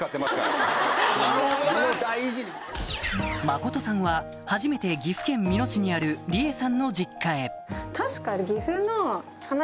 慎人さんは初めて岐阜県美濃市にある理恵さんの実家へ確か。